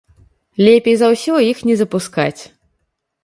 Лепей за ўсё іх не запускаць.